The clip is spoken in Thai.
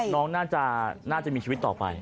น้องน่าจะมีชีวิตต่อไป